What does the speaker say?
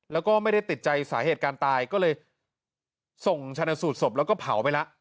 แล้วก็ไม่ได้ติดใจสาเหตุการตายก็เลยส่งชนะสูตรศพแล้วก็เผาไปแล้ว